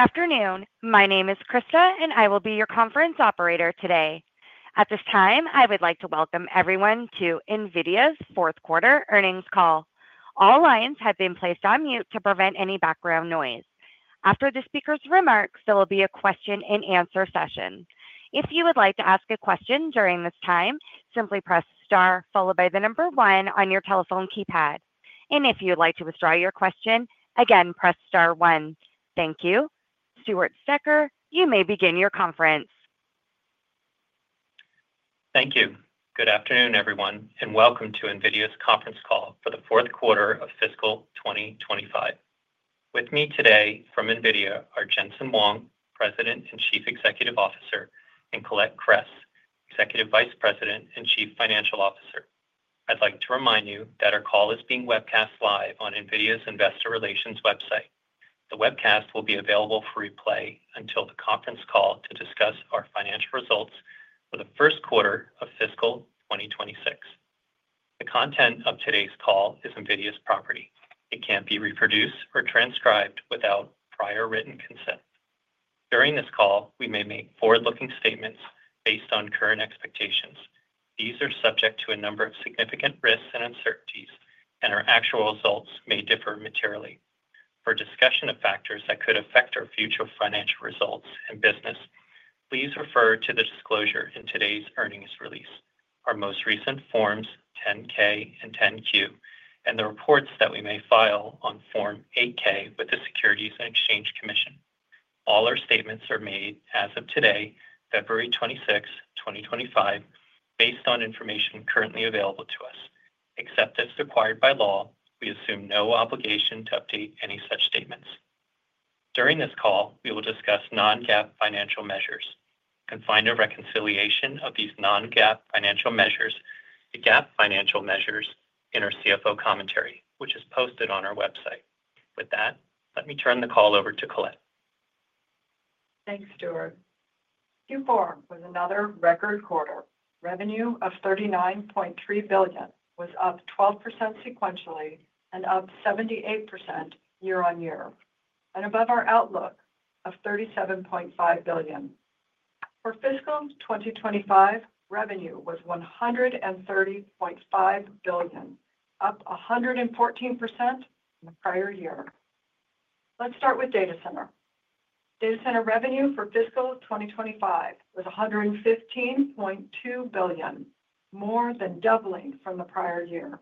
Good afternoon. My name is Krista, and I will be your conference operator today. At this time, I would like to welcome everyone to NVIDIA's fourth quarter earnings call. All lines have been placed on mute to prevent any background noise. After the speaker's remarks, there will be a question-and-answer session. If you would like to ask a question during this time, simply press star followed by the number one on your telephone keypad. And if you would like to withdraw your question, again, press star one. Thank you. Stewart Stecker, you may begin your conference. Thank you. Good afternoon, everyone, and welcome to NVIDIA's conference call for the fourth quarter of fiscal 2025. With me today from NVIDIA are Jensen Huang, President and Chief Executive Officer, and Colette Kress, Executive Vice President and Chief Financial Officer. I'd like to remind you that our call is being webcast live on NVIDIA's Investor Relations website. The webcast will be available for replay until the conference call to discuss our financial results for the first quarter of fiscal 2026. The content of today's call is NVIDIA's property. It can't be reproduced or transcribed without prior written consent. During this call, we may make forward-looking statements based on current expectations. These are subject to a number of significant risks and uncertainties, and our actual results may differ materially. For discussion of factors that could affect our future financial results and business, please refer to the disclosure in today's earnings release, our most recent Forms 10-K and 10-Q, and the reports that we may file on Form 8-K with the Securities and Exchange Commission. All our statements are made as of today, February 26, 2025, based on information currently available to us. Except as required by law, we assume no obligation to update any such statements. During this call, we will discuss non-GAAP financial measures. You can find a reconciliation of these non-GAAP financial measures to GAAP financial measures in our CFO commentary, which is posted on our website. With that, let me turn the call over to Colette. Thanks, Stewart. Q4 was another record quarter. Revenue of $39.3 billion was up 12% sequentially and up 78% year-on-year, and above our outlook of $37.5 billion. For fiscal 2025, revenue was $130.5 billion, up 114% from the prior year. Let's start with Data center. Data center revenue for fiscal 2025 was $115.2 billion, more than doubling from the prior year.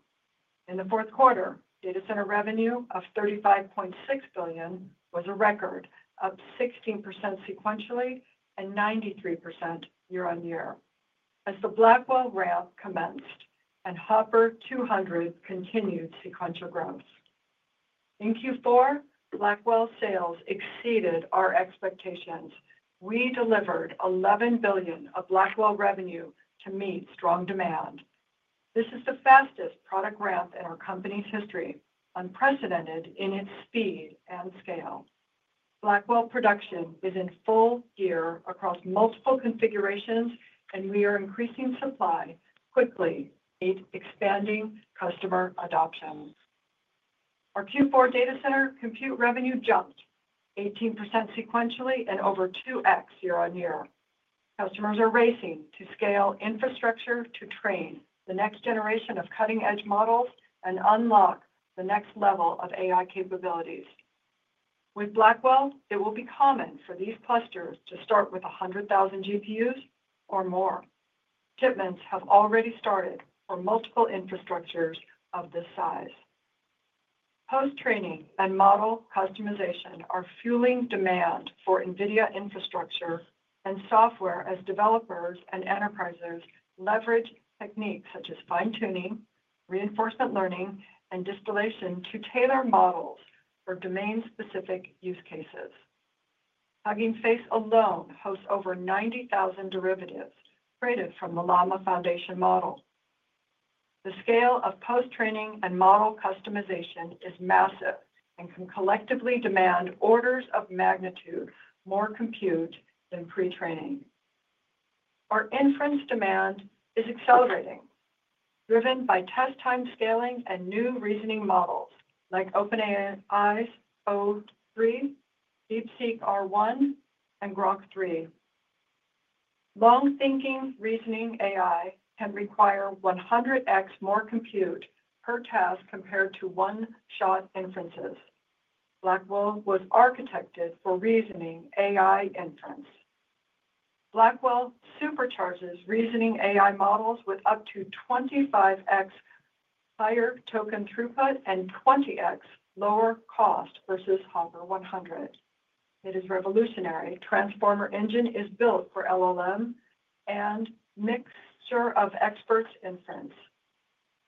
In the fourth quarter, Data center revenue of $35.6 billion was a record, up 16% sequentially and 93% year-on-year, as the Blackwell ramp commenced and H200 continued sequential growth. In Q4, Blackwell sales exceeded our expectations. We delivered $11 billion of Blackwell revenue to meet strong demand. This is the fastest product ramp in our company's history, unprecedented in its speed and scale. Blackwell production is in full gear across multiple configurations, and we are increasing supply quickly to meet expanding customer adoption. Our Q4 Data center compute revenue jumped 18% sequentially and over 2x year-on-year. Customers are racing to scale infrastructure to train the next generation of cutting-edge models and unlock the next level of AI capabilities. With Blackwell, it will be common for these clusters to start with 100,000 GPUs or more. Shipments have already started for multiple infrastructures of this size. Post-training and model customization are fueling demand for NVIDIA infrastructure and software as developers and enterprises leverage techniques such as fine-tuning, reinforcement learning, and distillation to tailor models for domain-specific use cases. Hugging Face alone hosts over 90,000 derivatives created from the Llama Foundation model. The scale of post-training and model customization is massive and can collectively demand orders of magnitude more compute than pre-training. Our inference demand is accelerating, driven by test-time scaling and new reasoning models like OpenAI's o3, DeepSeek R1, and Grok 3. Long-thinking reasoning AI can require 100x more compute per task compared to one-shot inferences. Blackwell was architected for reasoning AI inference. Blackwell supercharges reasoning AI models with up to 25x higher token throughput and 20x lower cost versus H100. It is revolutionary. Transformer Engine is built for LLM and mixture of experts inference,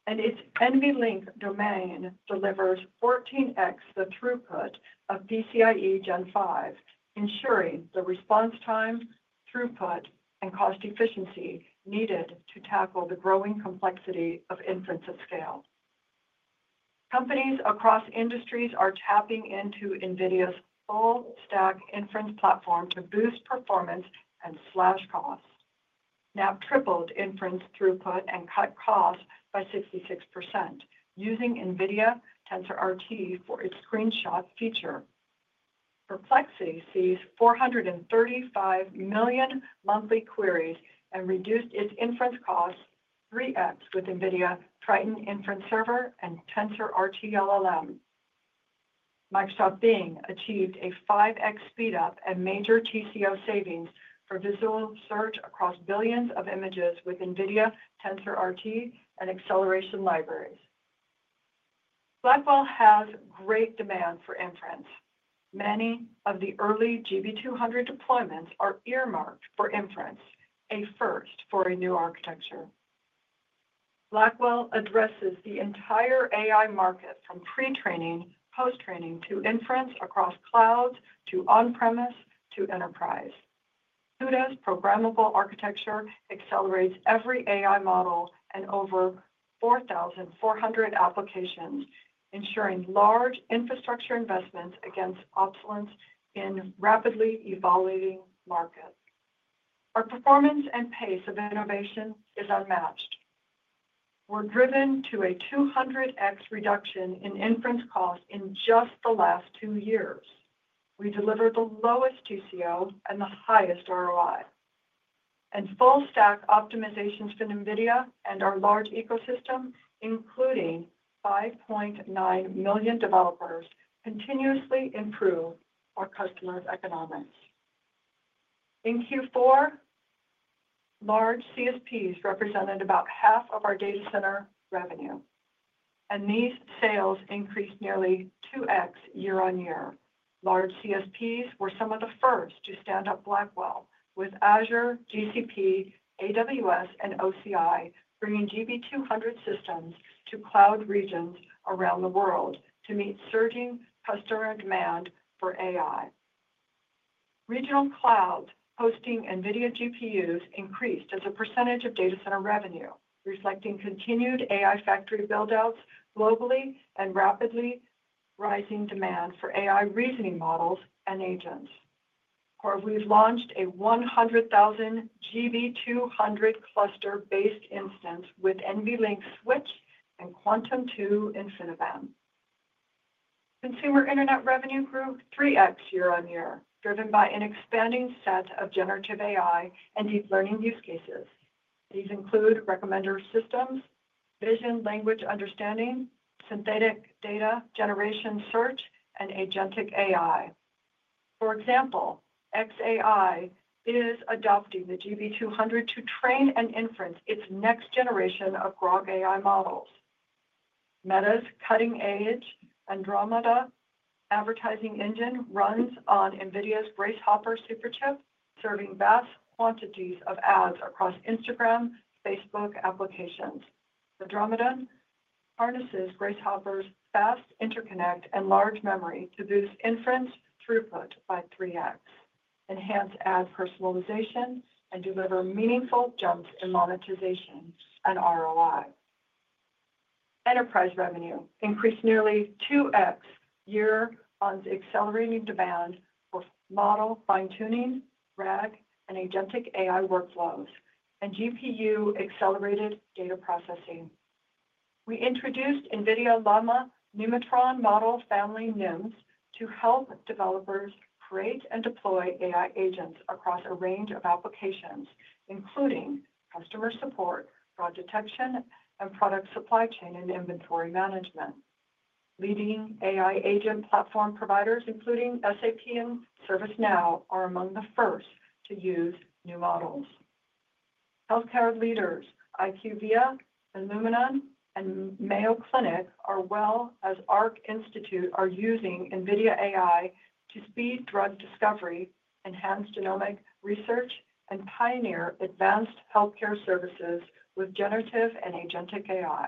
and its NVLink domain delivers 14x the throughput of PCIe Gen 5, ensuring the response time, throughput, and cost efficiency needed to tackle the growing complexity of inference at scale. Companies across industries are tapping into NVIDIA's full-stack inference platform to boost performance and slash costs. Snap tripled inference throughput and cut costs by 66% using NVIDIA TensorRT for its screenshot feature. The proxy sees 435 million monthly queries and reduced its inference costs 3x with NVIDIA Triton Inference Server and TensorRT-LLM. Microsoft Bing achieved a 5x speedup and major TCO savings for visual search across billions of images with NVIDIA TensorRT and acceleration libraries. Blackwell has great demand for inference. Many of the early GB200 deployments are earmarked for inference, a first for a new architecture. Blackwell addresses the entire AI market from pre-training, post-training, to inference across clouds, to on-premise, to enterprise. CUDA's programmable architecture accelerates every AI model and over 4,400 applications, ensuring large infrastructure investments against obsolescence in rapidly evolving markets. Our performance and pace of innovation is unmatched. We're driven to a 200x reduction in inference costs in just the last two years. We deliver the lowest TCO and the highest ROI and full-stack optimizations for NVIDIA and our large ecosystem, including 5.9 million developers, continuously improve our customers' economics. In Q4, large CSPs represented about half of our Data center revenue, and these sales increased nearly 2x year-on-year. Large CSPs were some of the first to stand up Blackwell with Azure, GCP, AWS, and OCI bringing GB200 systems to cloud regions around the world to meet surging customer demand for AI. Regional clouds hosting NVIDIA GPUs increased as a percentage of Data center revenue, reflecting continued AI factory buildouts globally and rapidly rising demand for AI reasoning models and agents. We've launched a 100,000 GB200 cluster-based instance with NVLink Switch and Quantum-2 InfiniBand. Consumer internet revenue grew 3x year-on-year, driven by an expanding set of generative AI and deep learning use cases. These include recommender systems, vision language understanding, synthetic data generation search, and agentic AI. For example, xAI is adopting the GB200 to train and inference its next generation of Grok AI models. Meta's cutting-edge Andromeda advertising engine runs on NVIDIA's Grace Hopper Superchip, serving vast quantities of ads across Instagram and Facebook applications. Andromeda harnesses Grace Hopper's fast interconnect and large memory to boost inference throughput by 3x, enhance ad personalization, and deliver meaningful jumps in monetization and ROI. Enterprise revenue increased nearly 2x year-on-year on accelerating demand for model fine-tuning, RAG, and agentic AI workflows, and GPU-accelerated data processing. We introduced NVIDIA Llama-Nemotron model family NIMs to help developers create and deploy AI agents across a range of applications, including customer support, fraud detection, and product supply chain and inventory management. Leading AI agent platform providers, including SAP and ServiceNow, are among the first to use new models. Healthcare leaders IQVIA, Illumina, and Mayo Clinic, as well as Arc Institute, are using NVIDIA AI to speed drug discovery, enhance genomic research, and pioneer advanced healthcare services with generative and agentic AI.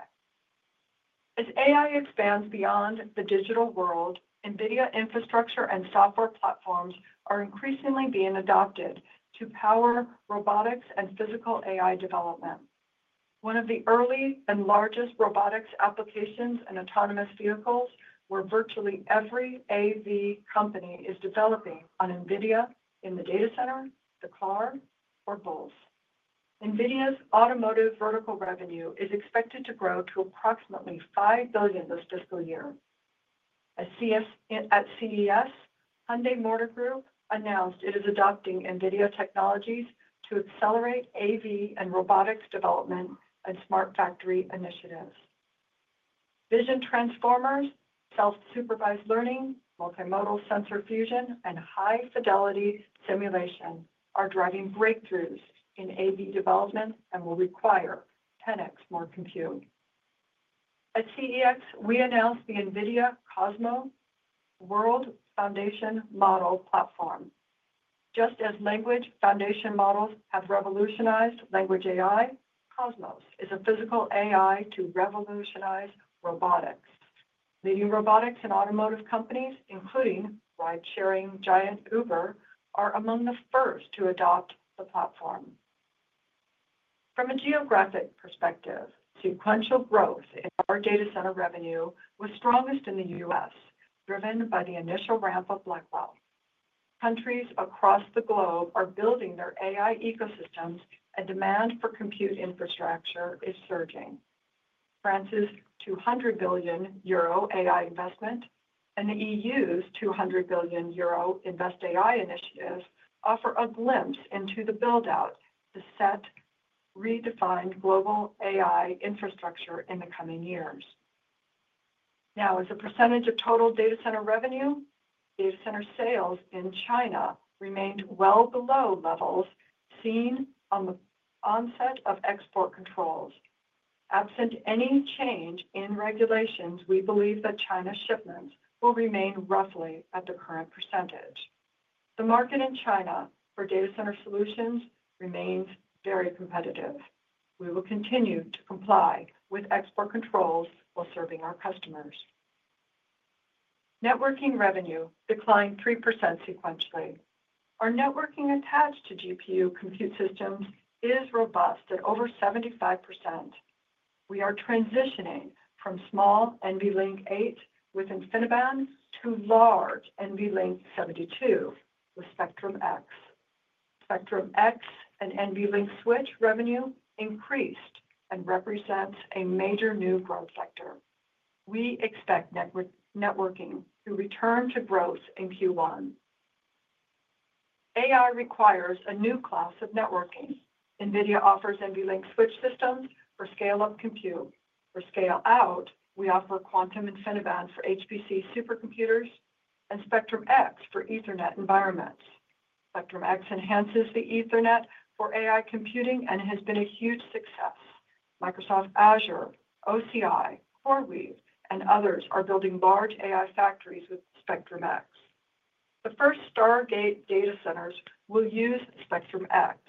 As AI expands beyond the digital world, NVIDIA infrastructure and software platforms are increasingly being adopted to power robotics and physical AI development. One of the early and largest robotics applications and autonomous vehicles where virtually every AV company is developing on NVIDIA in the data center, the car, or both. NVIDIA's automotive vertical revenue is expected to grow to approximately $5 billion this fiscal year. At CES, Hyundai Motor Group announced it is adopting NVIDIA technologies to accelerate AV and robotics development and smart factory initiatives. Vision transformers, self-supervised learning, multimodal sensor fusion, and high-fidelity simulation are driving breakthroughs in AV development and will require 10x more compute. At CES, we announced the NVIDIA Cosmos World Foundation Model Platform. Just as language foundation models have revolutionized language AI, Cosmos is a physical AI to revolutionize robotics. Leading robotics and automotive companies, including ride-sharing giant Uber, are among the first to adopt the platform. From a geographic perspective, sequential growth in our data center revenue was strongest in the U.S., driven by the initial ramp of Blackwell. Countries across the globe are building their AI ecosystems, and demand for compute infrastructure is surging. France's €200 billion euro AI investment and the EU's €200 billion euro Invest AI initiative offer a glimpse into the buildout to set redefined global AI infrastructure in the coming years. Now, as a percentage of total data center revenue, data center sales in China remained well below levels seen on the onset of export controls. Absent any change in regulations, we believe that China's shipments will remain roughly at the current percentage. The market in China for data center solutions remains very competitive. We will continue to comply with export controls while serving our customers. Networking revenue declined 3% sequentially. Our networking attached to GPU compute systems is robust at over 75%. We are transitioning from small NVLink 8 with InfiniBand to large NVL72 with Spectrum-X. Spectrum-X and NVLink Switch revenue increased and represents a major new growth factor. We expect networking to return to growth in Q1. AI requires a new class of networking. NVIDIA offers NVLink Switch systems for scale-up compute. For scale-out, we offer Quantum InfiniBand for HPC supercomputers and Spectrum-X for Ethernet environments. Spectrum-X enhances the Ethernet for AI computing and has been a huge success. Microsoft Azure, OCI, CoreWeave, and others are building large AI factories with Spectrum-X. The first Stargate data centers will use Spectrum-X.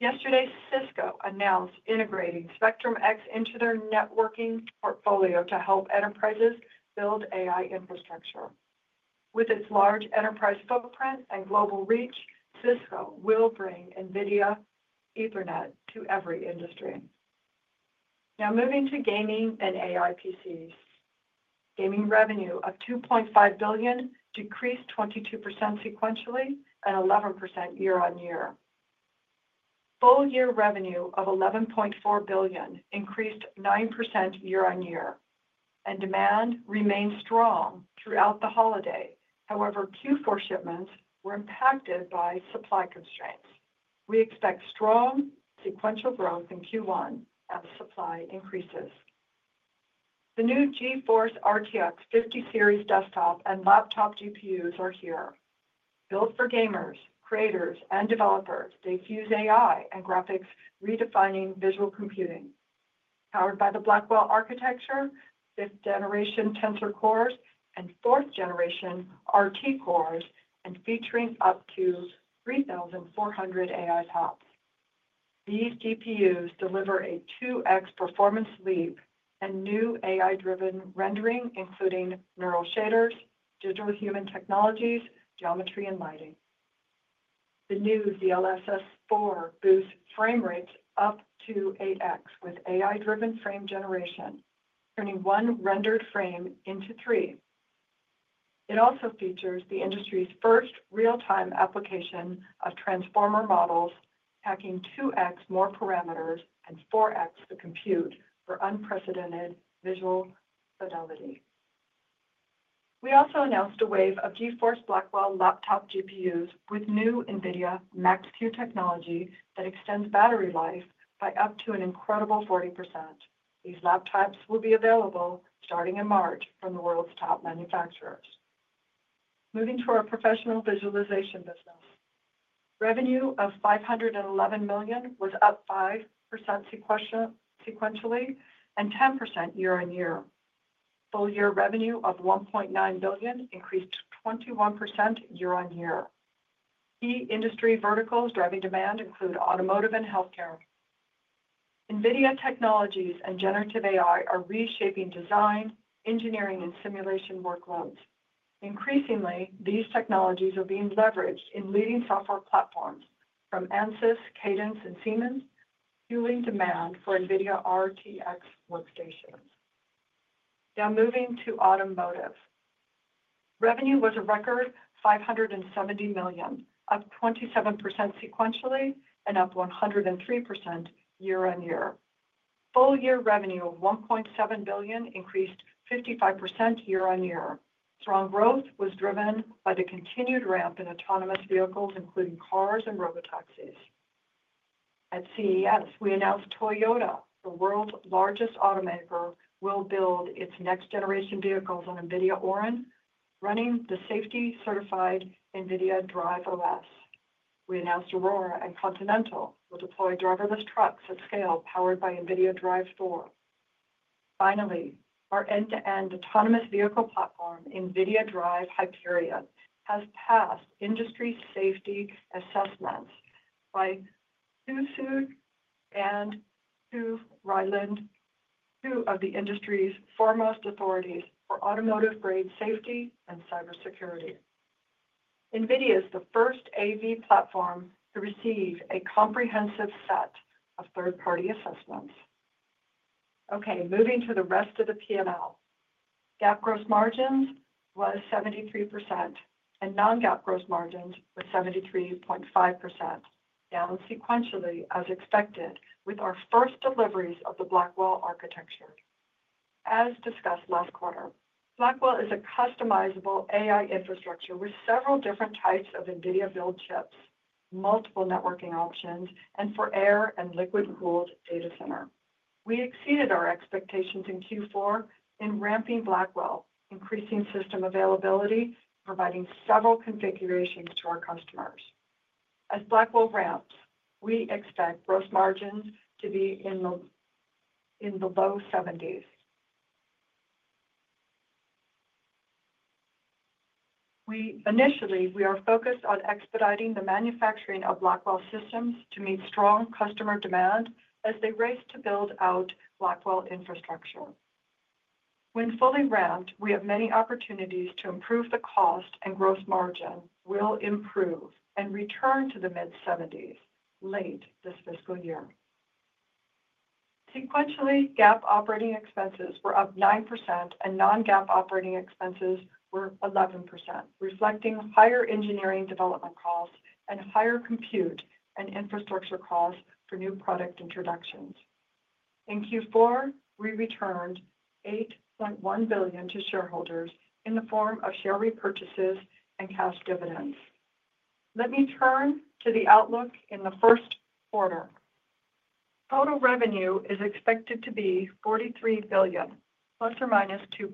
Yesterday, Cisco announced integrating Spectrum-X into their networking portfolio to help enterprises build AI infrastructure. With its large enterprise footprint and global reach, Cisco will bring NVIDIA Ethernet to every industry. Now, moving to gaming and AI PCs. Gaming revenue of $2.5 billion decreased 22% sequentially and 11% year-on-year. Full-year revenue of $11.4 billion increased 9% year-on-year, and demand remained strong throughout the holiday. However, Q4 shipments were impacted by supply constraints. We expect strong sequential growth in Q1 as supply increases. The new GeForce RTX 50 series desktop and laptop GPUs are here. Built for gamers, creators, and developers, they fuse AI and graphics, redefining visual computing. Powered by the Blackwell architecture, fifth-generation Tensor Cores, and fourth-generation RT Cores, and featuring up to 3,400 AI TOPS. These GPUs deliver a 2x performance leap and new AI-driven rendering, including neural shaders, digital human technologies, geometry, and lighting. The new DLSS 4 boosts frame rates up to 8x with AI-driven frame generation, turning one rendered frame into three. It also features the industry's first real-time application of transformer models, packing 2x more parameters and 4x the compute for unprecedented visual fidelity. We also announced a wave of GeForce Blackwell laptop GPUs with new NVIDIA Max-Q technology that extends battery life by up to an incredible 40%. These laptops will be available starting in March from the world's top manufacturers. Moving to our Professional Visualization business. Revenue of $511 million was up 5% sequentially and 10% year-on-year. Full-year revenue of $1.9 billion increased 21% year-on-year. Key industry verticals driving demand include automotive and healthcare. NVIDIA technologies and generative AI are reshaping design, engineering, and simulation workloads. Increasingly, these technologies are being leveraged in leading software platforms from Ansys, Cadence, and Siemens, fueling demand for NVIDIA RTX workstations. Now, moving to automotive. Revenue was a record $570 million, up 27% sequentially and up 103% year-on-year. Full-year revenue of $1.7 billion increased 55% year-on-year. Strong growth was driven by the continued ramp in autonomous vehicles, including cars and robotaxis. At CES, we announced Toyota, the world's largest automaker, will build its next-generation vehicles on NVIDIA DRIVE Orin, running the safety-certified NVIDIA DRIVE OS. We announced Aurora and Continental will deploy driverless trucks at scale powered by NVIDIA DRIVE Thor. Finally, our end-to-end autonomous vehicle platform, NVIDIA DRIVE Hyperion, has passed industry safety assessments by TÜV SÜD and TÜV Rheinland, two of the industry's foremost authorities for automotive-grade safety and cybersecurity. NVIDIA is the first AV platform to receive a comprehensive set of third-party assessments. Okay, moving to the rest of the P&L. GAAP gross margins were 73%, and non-GAAP gross margins were 73.5%, down sequentially as expected with our first deliveries of the Blackwell architecture. As discussed last quarter, Blackwell is a customizable AI infrastructure with several different types of NVIDIA-built chips, multiple networking options, and for air- and liquid-cooled data centers. We exceeded our expectations in Q4 in ramping Blackwell, increasing system availability, and providing several configurations to our customers. As Blackwell ramps, we expect gross margins to be in the low 70s. Initially, we are focused on expediting the manufacturing of Blackwell systems to meet strong customer demand as they race to build out Blackwell infrastructure. When fully ramped, we have many opportunities to improve the cost and gross margin. It will improve and return to the mid-70s late this fiscal year. Sequentially, GAAP operating expenses were up 9%, and non-GAAP operating expenses were 11%, reflecting higher engineering development costs and higher compute and infrastructure costs for new product introductions. In Q4, we returned $8.1 billion to shareholders in the form of share repurchases and cash dividends. Let me turn to the outlook in the first quarter. Total revenue is expected to be $43 billion, plus or minus 2%.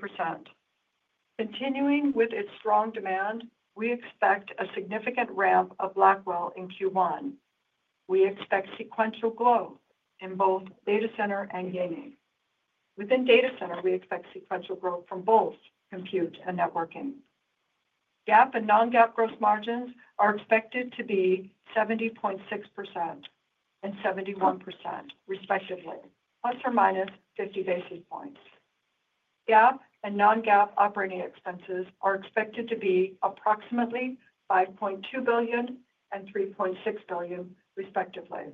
Continuing with its strong demand, we expect a significant ramp of Blackwell in Q1. We expect sequential growth in both data center and gaming. Within data center, we expect sequential growth from both compute and networking. GAAP and non-GAAP gross margins are expected to be 70.6% and 71%, respectively, plus or minus 50 basis points. GAAP and non-GAAP operating expenses are expected to be approximately $5.2 billion and $3.6 billion, respectively.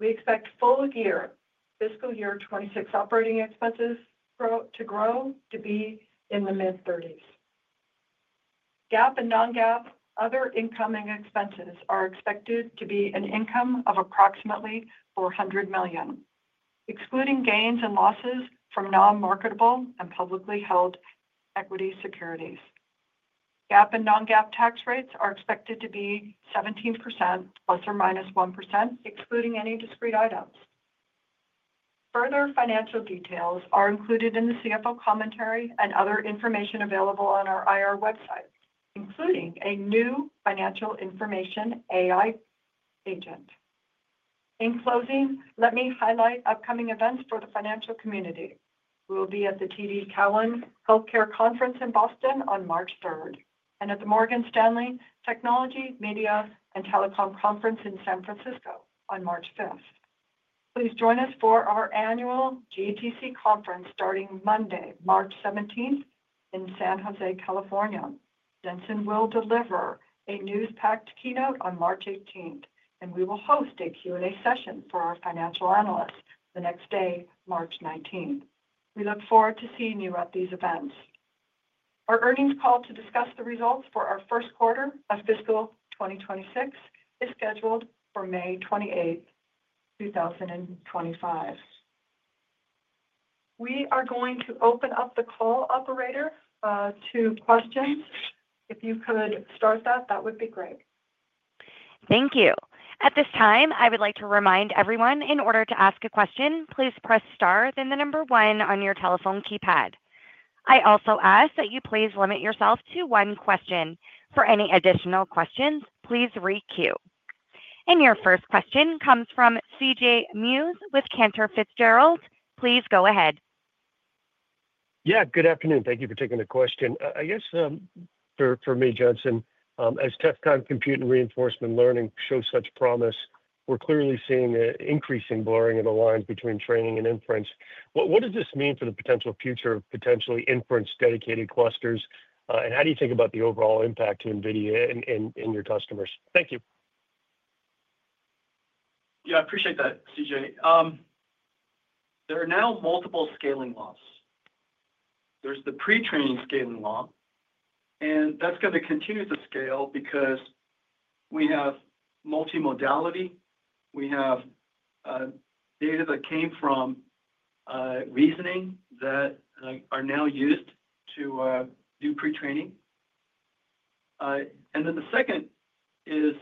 We expect full-year, fiscal year 26 operating expenses to grow to be in the mid-30s. GAAP and non-GAAP other income expenses are expected to be an income of approximately $400 million, excluding gains and losses from non-marketable and publicly held equity securities. GAAP and non-GAAP tax rates are expected to be 17%, plus or minus 1%, excluding any discrete items. Further financial details are included in the CFO commentary and other information available on our IR website, including a new financial information AI agent. In closing, let me highlight upcoming events for the financial community. We will be at the TD Cowen Healthcare Conference in Boston on March 3rd and at the Morgan Stanley Technology, Media, and Telecom Conference in San Francisco on March 5th. Please join us for our annual GTC Conference starting Monday, March 17th, in San Jose, California. Jensen will deliver a news-packed keynote on March 18th, and we will host a Q&A session for our financial analysts the next day, March 19th. We look forward to seeing you at these events. Our earnings call to discuss the results for our first quarter of fiscal 2026 is scheduled for May 28th, 2025. We are going to open up the call operator to questions. If you could start that, that would be great. Thank you. At this time, I would like to remind everyone in order to ask a question, please press star, then the number one on your telephone keypad. I also ask that you please limit yourself to one question. For any additional questions, please re-queue. And your first question comes from C.J. Muse with Cantor Fitzgerald. Please go ahead. Yeah, good afternoon. Thank you for taking the question. I guess for me, Jensen, as test-time compute and reinforcement learning shows such promise, we're clearly seeing an increasing blurring of the lines between training and inference. What does this mean for the potential future of potentially inference-dedicated clusters, and how do you think about the overall impact to NVIDIA and your customers? Thank you. Yeah, I appreciate that, C.J. There are now multiple scaling laws. There's the pre-training scaling law, and that's going to continue to scale because we have multi-modality. We have data that came from reasoning that are now used to do pre-training. And then the second is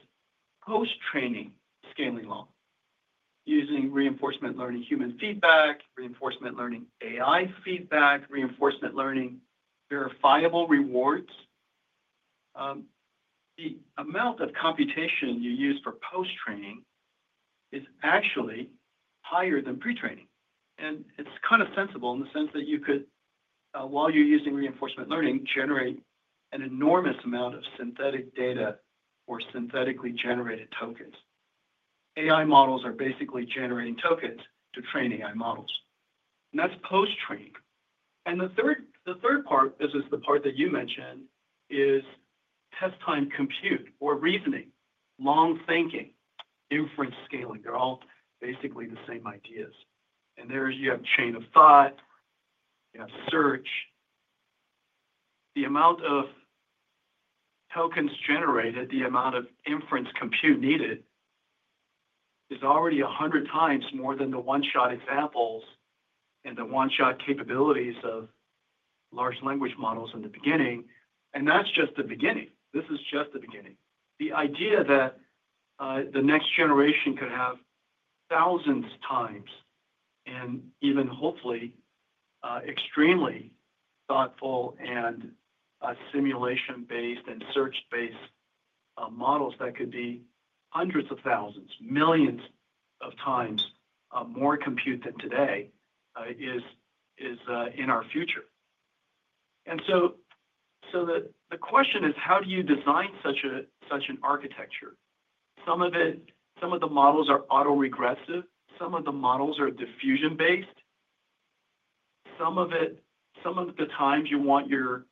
post-training scaling law using reinforcement learning human feedback, reinforcement learning AI feedback, reinforcement learning verifiable rewards. The amount of computation you use for post-training is actually higher than pre-training. And it's kind of sensible in the sense that you could, while you're using reinforcement learning, generate an enormous amount of synthetic data or synthetically generated tokens. AI models are basically generating tokens to train AI models. And that's post-training. And the third part, this is the part that you mentioned, is test-time compute or reasoning, long thinking, inference scaling. They're all basically the same ideas. There you have Chain of Thought, you have search. The amount of tokens generated, the amount of inference compute needed is already 100x more than the one-shot examples and the one-shot capabilities of large language models in the beginning. And that's just the beginning. This is just the beginning. The idea that the next generation could have thousands of times and even hopefully extremely thoughtful and simulation-based and search-based models that could be hundreds of thousands, millions of times more compute than today is in our future. And so the question is, how do you design such an architecture? Some of the models are auto-regressive. Some of the models are diffusion-based. Some of the times you want your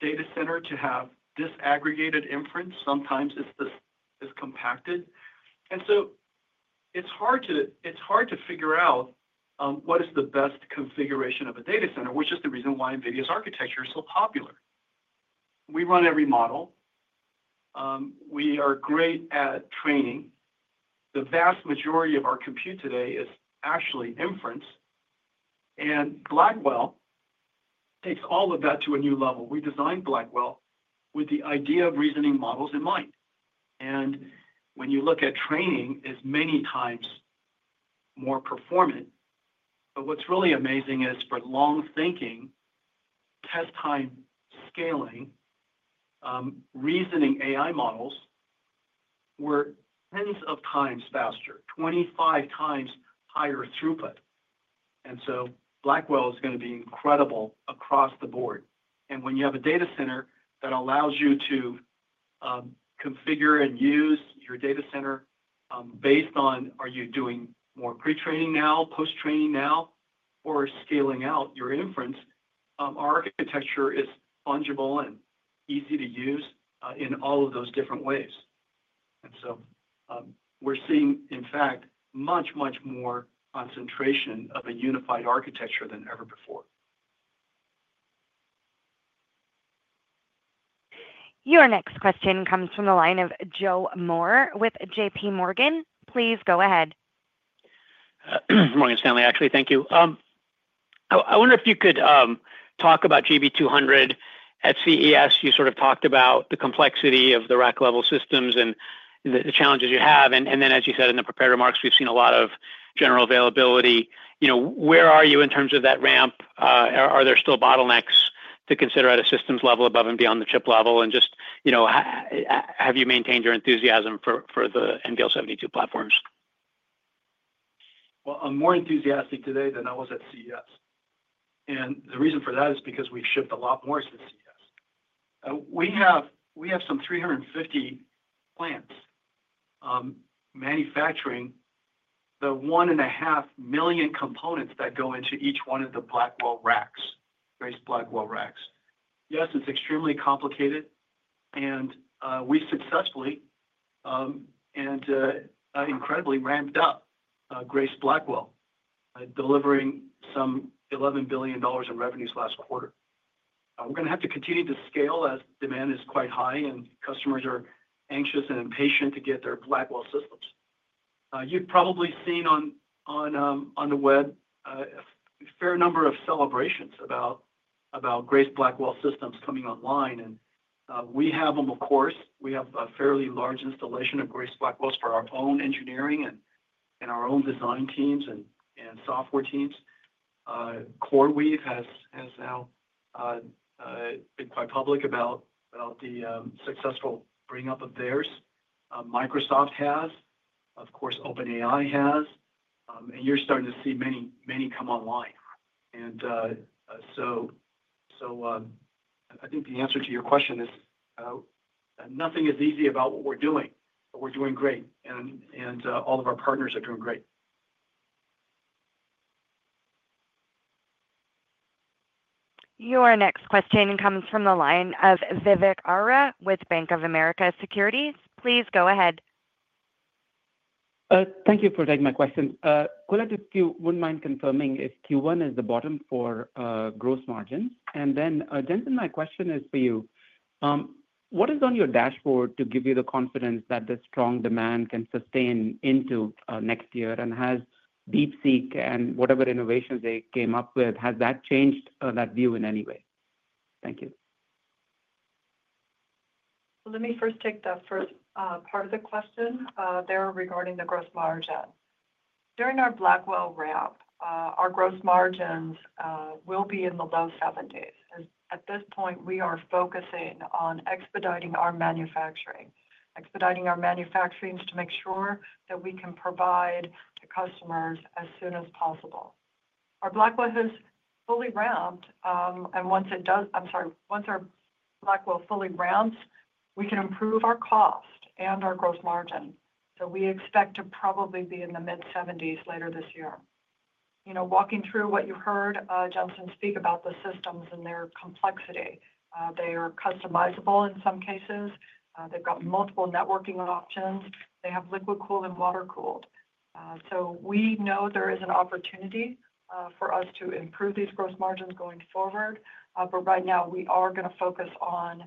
data center to have disaggregated inference, sometimes it's compacted. And so it's hard to figure out what is the best configuration of a data center, which is the reason why NVIDIA's architecture is so popular. We run every model. We are great at training. The vast majority of our compute today is actually inference. And Blackwell takes all of that to a new level. We designed Blackwell with the idea of reasoning models in mind. And when you look at training, it is many times more performant. But what's really amazing is for long thinking, test-time scaling, reasoning AI models were tens of times faster, 25x higher throughput. And so Blackwell is going to be incredible across the board. And when you have a data center that allows you to configure and use your data center based on, are you doing more pre-training now, post-training now, or scaling out your inference, our architecture is fungible and easy to use in all of those different ways. And so we're seeing, in fact, much, much more concentration of a unified architecture than ever before. Your next question comes from the line of Joe Moore with J.P. Morgan. Please go ahead. Morgan Stanley, actually. Thank you. I wonder if you could talk about GB200 at CES. You sort of talked about the complexity of the rack-level systems and the challenges you have. And then, as you said in the prepared remarks, we've seen a lot of general availability. Where are you in terms of that ramp? Are there still bottlenecks to consider at a systems level above and beyond the chip level? And just have you maintained your enthusiasm for the NVL72 platforms? I'm more enthusiastic today than I was at CES. The reason for that is because we've shipped a lot more to CES. We have some 350 plants manufacturing the one and a half million components that go into each one of the Blackwell racks, Grace Blackwell racks. Yes, it's extremely complicated. We successfully and incredibly ramped up Grace Blackwell, delivering some $11 billion in revenues last quarter. We're going to have to continue to scale as demand is quite high and customers are anxious and impatient to get their Blackwell systems. You've probably seen on the web a fair number of celebrations about Grace Blackwell systems coming online. We have them, of course. We have a fairly large installation of Grace Blackwells for our own engineering and our own design teams and software teams. CoreWeave has now been quite public about the successful bring-up of theirs. Microsoft has. Of course, OpenAI has. And you're starting to see many come online. And so I think the answer to your question is nothing is easy about what we're doing. We're doing great. And all of our partners are doing great. Your next question comes from the line of Vivek Arya with Bank of America Securities. Please go ahead. Thank you for taking my question. Could I just, if you wouldn't mind confirming, if Q1 is the bottom for gross margins? And then, Jensen, my question is for you. What is on your dashboard to give you the confidence that the strong demand can sustain into next year? And has DeepSeek and whatever innovations they came up with, has that changed that view in any way? Thank you. Let me first take the first part of the question there regarding the gross margin. During our Blackwell ramp, our gross margins will be in the low 70s%. At this point, we are focusing on expediting our manufacturing, expediting our manufacturings to make sure that we can provide to customers as soon as possible. Our Blackwell has fully ramped. And once it does. I'm sorry. Once our Blackwell fully ramps, we can improve our cost and our gross margin. So we expect to probably be in the mid-70s% later this year. Walking through what you heard Jensen speak about the systems and their complexity, they are customizable in some cases. They've got multiple networking options. They have liquid cooled and water cooled. So we know there is an opportunity for us to improve these gross margins going forward. But right now, we are going to focus on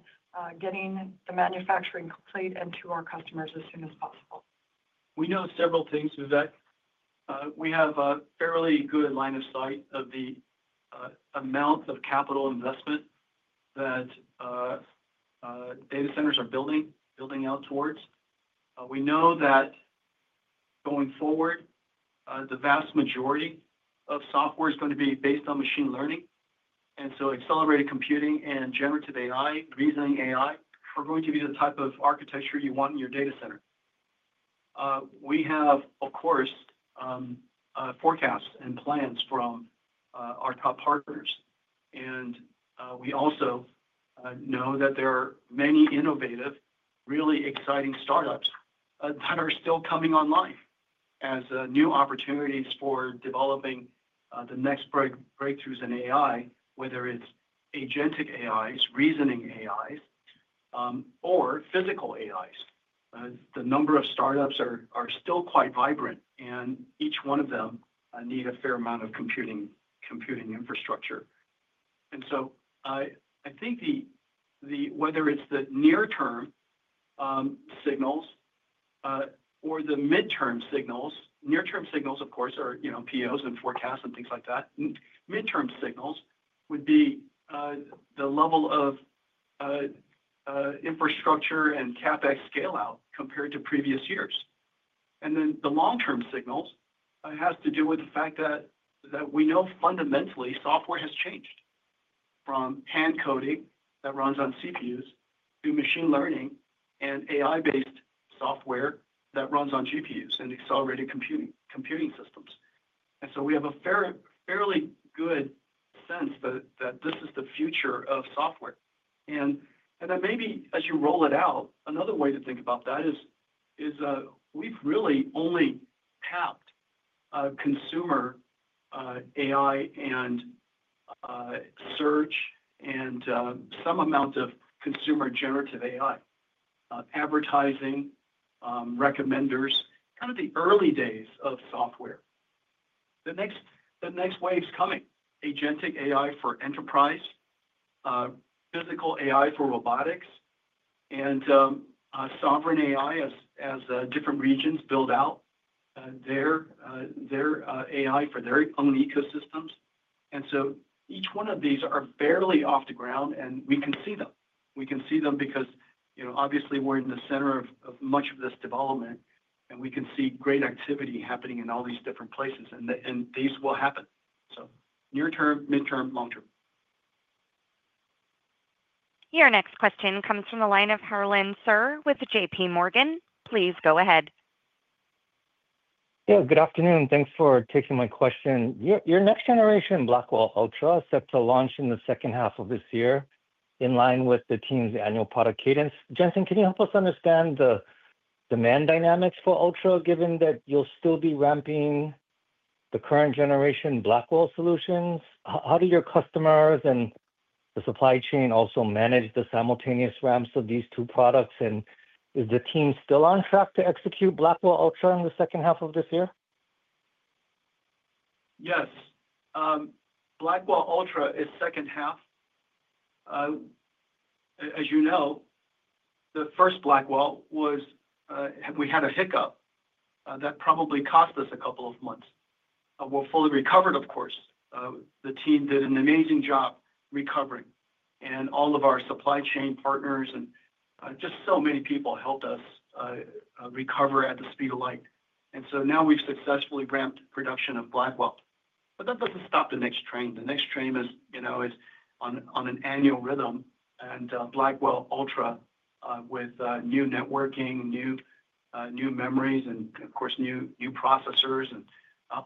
getting the manufacturing complete and to our customers as soon as possible. We know several things, Vivek. We have a fairly good line of sight of the amount of capital investment that data centers are building out towards. We know that going forward, the vast majority of software is going to be based on machine learning, and so accelerated computing and generative AI, reasoning AI, are going to be the type of architecture you want in your data center. We have, of course, forecasts and plans from our top partners, and we also know that there are many innovative, really exciting startups that are still coming online as new opportunities for developing the next breakthroughs in AI, whether it's agentic AIs, reasoning AIs, or physical AIs. The number of startups are still quite vibrant, and each one of them needs a fair amount of computing infrastructure. And so I think whether it's the near-term signals or the mid-term signals, near-term signals, of course, are POs and forecasts and things like that, mid-term signals would be the level of infrastructure and CapEx scale-out compared to previous years. And then the long-term signals have to do with the fact that we know fundamentally software has changed from hand coding that runs on CPUs to machine learning and AI-based software that runs on GPUs and accelerated computing systems. And so we have a fairly good sense that this is the future of software. And then maybe as you roll it out, another way to think about that is we've really only tapped consumer AI and search and some amount of consumer generative AI, advertising, recommenders, kind of the early days of software. The next wave's coming: agentic AI for enterprise, physical AI for robotics, and sovereign AI as different regions build out their AI for their own ecosystems, and so each one of these is fairly off the ground, and we can see them. We can see them because obviously we're in the center of much of this development, and we can see great activity happening in all these different places, and these will happen, so near-term, mid-term, long-term. Your next question comes from the line of Harlan Sur with J.P. Morgan. Please go ahead. Yeah, good afternoon. Thanks for taking my question. Your next generation Blackwell Ultra is set to launch in the second half of this year in line with the team's annual product cadence. Jensen, can you help us understand the demand dynamics for Ultra, given that you'll still be ramping the current generation Blackwell solutions? How do your customers and the supply chain also manage the simultaneous ramps of these two products? And is the team still on track to execute Blackwell Ultra in the second half of this year? Yes. Blackwell Ultra is second half. As you know, the first Blackwell was—we had a hiccup that probably cost us a couple of months. We're fully recovered, of course. The team did an amazing job recovering. And all of our supply chain partners and just so many people helped us recover at the speed of light. And so now we've successfully ramped production of Blackwell. But that doesn't stop the next train. The next train is on an annual rhythm. And Blackwell Ultra with new networking, new memories, and of course, new processors, and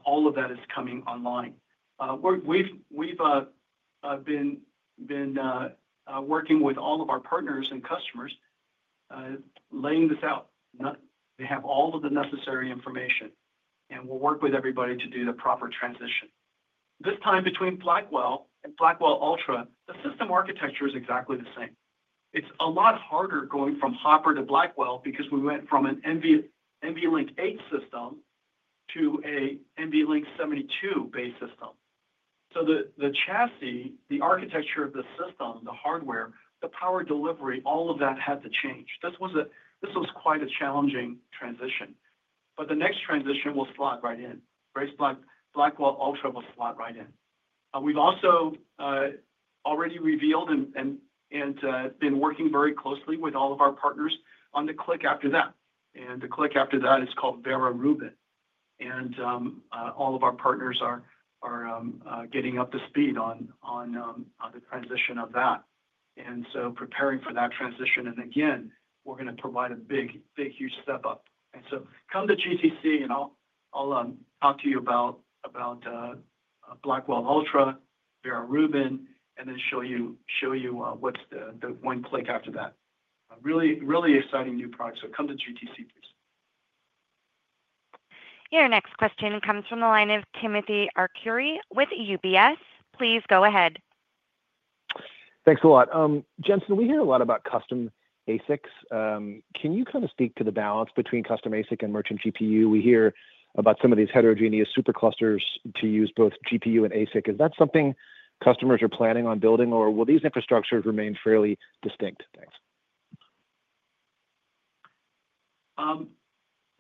all of that is coming online. We've been working with all of our partners and customers, laying this out. They have all of the necessary information. And we'll work with everybody to do the transition. This time between Blackwell and Blackwell Ultra, the system architecture is exactly the same. It's a lot harder going from Hopper to Blackwell because we went from an NVLink eight system to an NVL72-based system. So the chassis, the architecture of the system, the hardware, the power delivery, all of that had to change. This was quite a challenging transition. But the next transition will slide right in. Grace Blackwell Ultra will slide right in. We've also already revealed and been working very closely with all of our partners on the chip after that. And the chip after that is called Vera Rubin. And all of our partners are getting up to speed on the transition of that. And so preparing for that transition. And again, we're going to provide a big, huge step up. And so come to GTC, and I'll talk to you about Blackwell Ultra, Vera Rubin, and then show you what's the one chip after that. Really exciting new product. So come to GTC, please. Your next question comes from the line of Timothy Arcuri with UBS. Please go ahead. Thanks a lot. Jensen, we hear a lot about custom ASICs. Can you kind of speak to the balance between custom ASIC and merchant GPU? We hear about some of these heterogeneous superclusters to use both GPU and ASIC. Is that something customers are planning on building, or will these infrastructures remain fairly distinct? Thanks.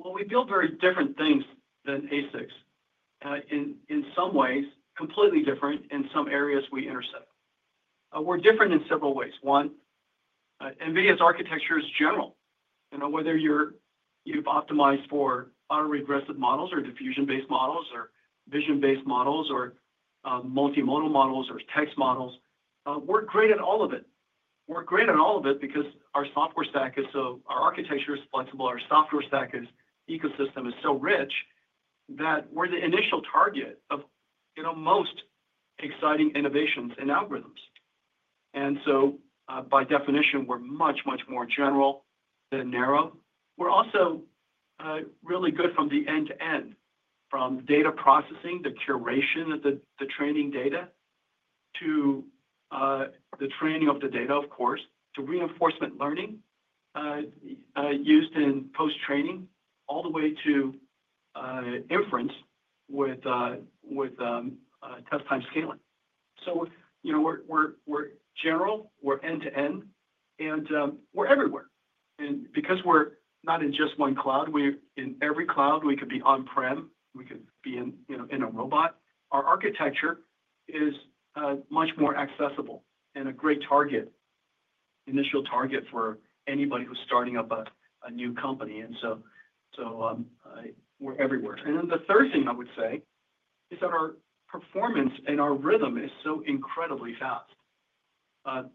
We build very different things than ASICs. In some ways completely different, in some areas we intersect. We're different in several ways. One, NVIDIA's architecture is general. Whether you've optimized for auto-regressive models or diffusion-based models or vision-based models or multimodal models or text models, we're great at all of it. We're great at all of it because our software stack is so our architecture is flexible. Our software stack, ecosystem, is so rich that we're the initial target of most exciting innovations and algorithms. And so by definition, we're much, much more general than narrow. We're also really good from the end to end, from data processing, the curation of the training data, to the training of the data, of course, to reinforcement learning used in post-training, all the way to inference with test-time scaling. We're general. We're end to end. We're everywhere. Because we're not in just one cloud, we're in every cloud. We could be on-prem. We could be in a robot. Our architecture is much more accessible and a great target, initial target for anybody who's starting up a new company. And so we're everywhere. And then the third thing I would say is that our performance and our rhythm is so incredibly fast.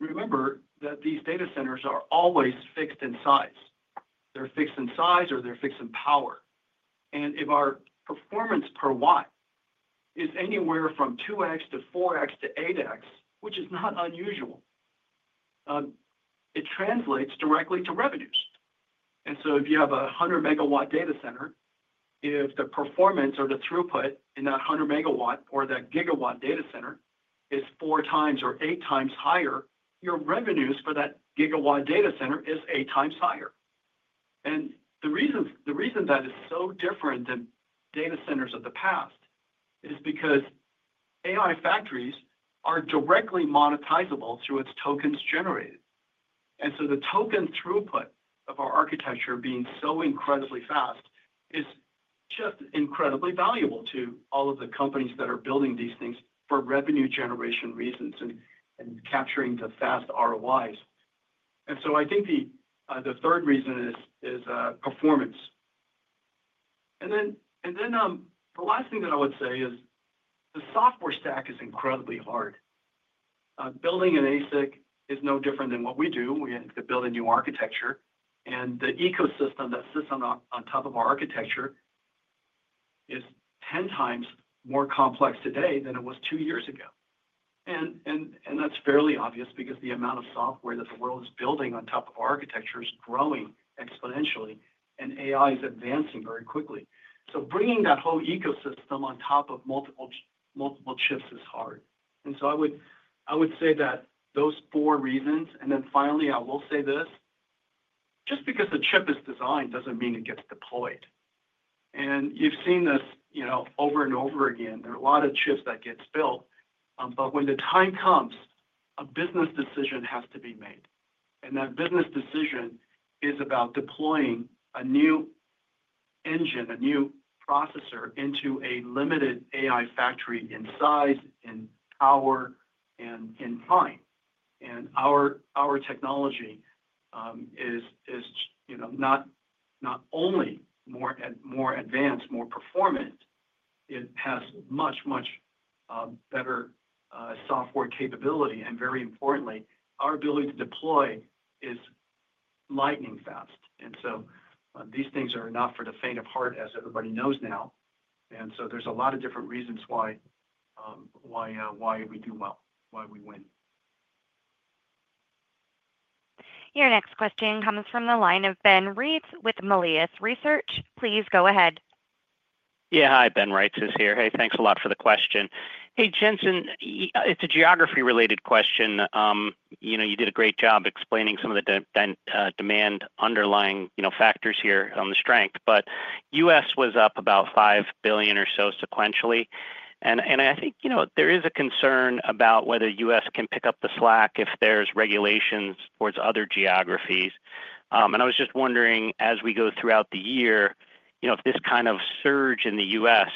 Remember that these data centers are always fixed in size. They're fixed in size or they're fixed in power. And if our performance per watt is anywhere from 2x to 4x to 8x, which is not unusual, it translates directly to revenues. And so if you have a 100-megawatt data center, if the performance or the throughput in that 100-megawatt or that gigawatt data center is four times or eight times higher, your revenues for that gigawatt data center are eight times higher. And the reason that is so different than data centers of the past is because AI factories are directly monetizable through its tokens generated. And so the token throughput of our architecture being so incredibly fast is just incredibly valuable to all of the companies that are building these things for revenue generation reasons and capturing the fast ROIs. And so I think the third reason is performance. And then the last thing that I would say is the software stack is incredibly hard. Building an ASIC is no different than what we do. We have to build a new architecture. And the ecosystem that sits on top of our architecture is 10 times more complex today than it was two years ago. And that's fairly obvious because the amount of software that the world is building on top of our architecture is growing exponentially, and AI is advancing very quickly. So bringing that whole ecosystem on top of multiple chips is hard. And so I would say that those four reasons. And then finally, I will say this: just because a chip is designed doesn't mean it gets deployed. And you've seen this over and over again. There are a lot of chips that get built. But when the time comes, a business decision has to be made. And that business decision is about deploying a new engine, a new processor into a limited AI factory in size, in power, and in time. And our technology is not only more advanced, more performant. It has much, much better software capability. And very importantly, our ability to deploy is lightning fast. These things are not for the faint of heart, as everybody knows now. There's a lot of different reasons why we do well, why we win. Your next question comes from the line of Ben Reitzes with Melius Research. Please go ahead. Yeah, hi. Ben Reitzes is here. Hey, thanks a lot for the question. Hey, Jensen, it's a geography-related question. You did a great job explaining some of the demand underlying factors here on the strength. But U.S. was up about $5 billion or so sequentially. And I think there is a concern about whether U.S. can pick up the slack if there's regulations towards other geographies. And I was just wondering, as we go throughout the year, if this kind of surge in the U.S.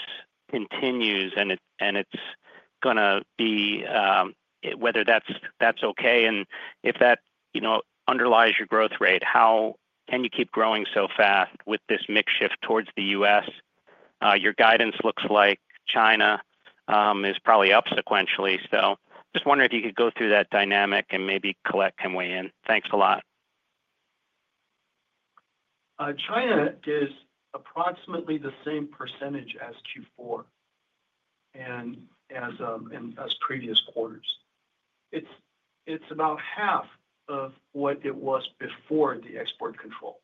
continues and it's going to be whether that's okay. And if that underlies your growth rate, how can you keep growing so fast with this shift towards the U.S.? Your guidance looks like China is probably up sequentially. So just wondering if you could go through that dynamic and maybe Colette weigh in. Thanks a lot. China is approximately the same percentage as Q4 and as previous quarters. It's about half of what it was before the export control.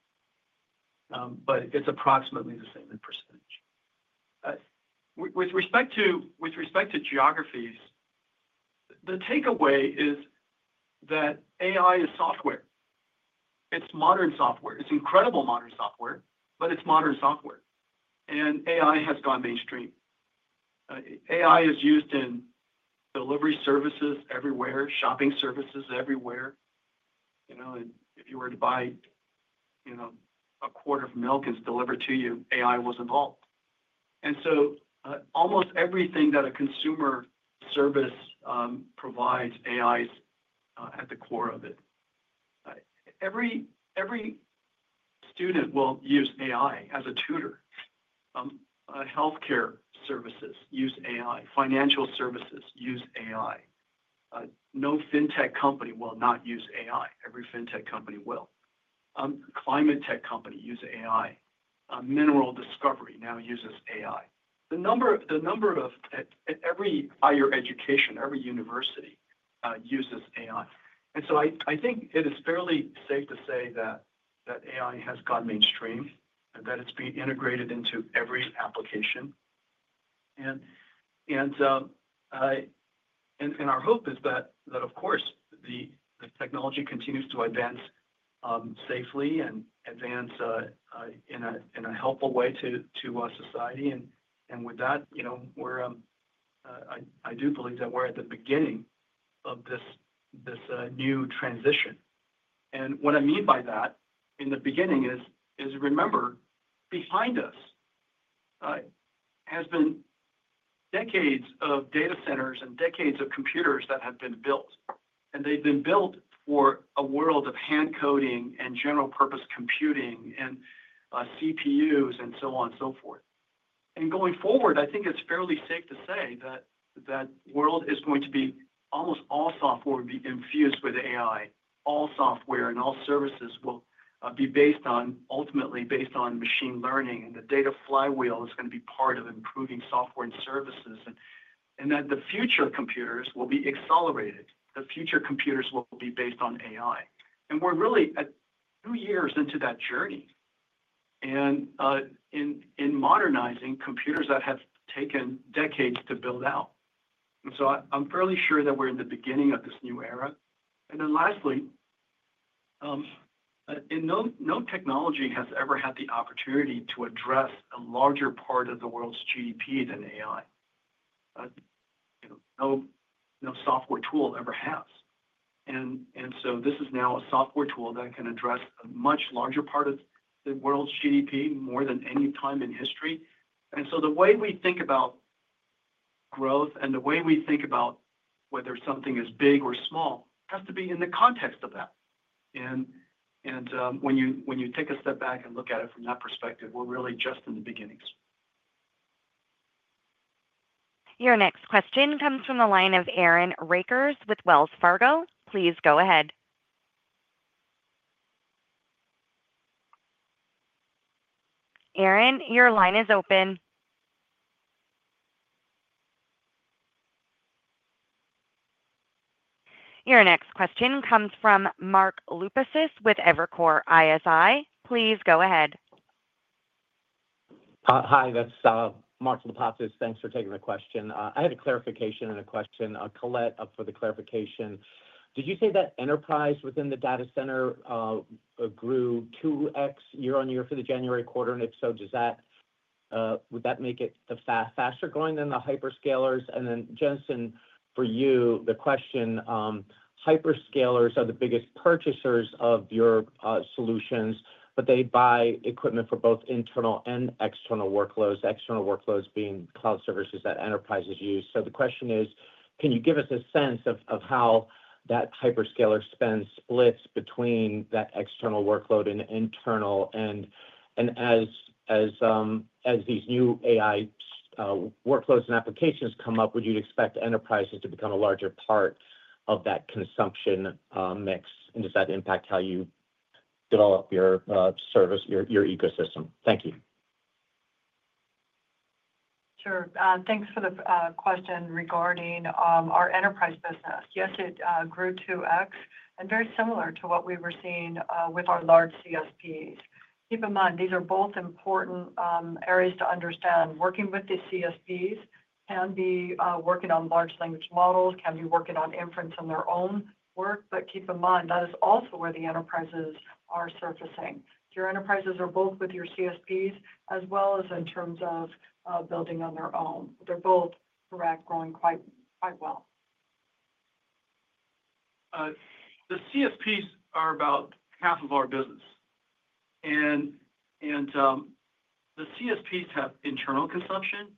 But it's approximately the same in percentage. With respect to geographies, the takeaway is that AI is software. It's modern software. It's incredible modern software, but it's modern software, and AI has gone mainstream. AI is used in delivery services everywhere, shopping services everywhere. And if you were to buy a quart of milk and it's delivered to you, AI was involved. And so almost everything that a consumer service provides, AI is at the core of it. Every student will use AI as a tutor. Healthcare services use AI. Financial services use AI. No fintech company will not use AI. Every fintech company will. Climate tech company uses AI. Mineral discovery now uses AI. The number of every higher education, every university uses AI. And so I think it is fairly safe to say that AI has gone mainstream and that it's being integrated into every application. And our hope is that, of course, the technology continues to advance safely and advance in a helpful way to society. And with that, I do believe that we're at the beginning of this new transition. And what I mean by that in the beginning is remember, behind us has been decades of data centers and decades of computers that have been built. And they've been built for a world of hand coding and general-purpose computing and CPUs and so on and so forth. And going forward, I think it's fairly safe to say that that world is going to be almost all software will be infused with AI. All software and all services will be ultimately based on machine learning. And the data flywheel is going to be part of improving software and services. And that the future computers will be accelerated. The future computers will be based on AI. And we're really two years into that journey in modernizing computers that have taken decades to build out. And so I'm fairly sure that we're in the beginning of this new era. And then lastly, no technology has ever had the opportunity to address a larger part of the world's GDP than AI. No software tool ever has. And so this is now a software tool that can address a much larger part of the world's GDP, more than any time in history. And so the way we think about growth and the way we think about whether something is big or small has to be in the context of that. When you take a step back and look at it from that perspective, we're really just in the beginnings. Your next question comes from the line of Aaron Rakers with Wells Fargo. Please go ahead. Aaron, your line is open. Your next question comes from Mark Lipacis with Evercore ISI. Please go ahead. Hi. That's Mark Lipacis. Thanks for taking the question. I had a clarification and a question. Colette, for the clarification, did you say that enterprise within the data center grew 2x year-on-year for the January quarter? And if so, would that make it faster growing than the hyperscalers? And then, Jensen, for you, the question, hyperscalers are the biggest purchasers of your solutions, but they buy equipment for both internal and external workloads, external workloads being cloud services that enterprises use. So the question is, can you give us a sense of how that hyperscaler spend splits between that external workload and internal? And as these new AI workloads and applications come up, would you expect enterprises to become a larger part of that consumption mix? And does that impact how you develop your service, your ecosystem? Thank you. Sure. Thanks for the question regarding our enterprise business. Yes, it grew 2x and very similar to what we were seeing with our large CSPs. Keep in mind, these are both important areas to understand. Working with the CSPs can be working on large language models, can be working on inference on their own work. But keep in mind, that is also where the enterprises are surfacing. Your enterprises are both with your CSPs as well as in terms of building on their own. They're both growing quite well. The CSPs are about half of our business. And the CSPs have internal consumption